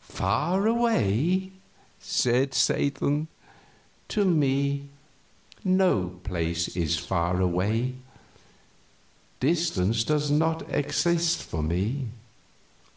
"Far away?" said Satan. "To me no place is far away; distance does not exist for me.